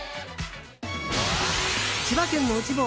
千葉県の内房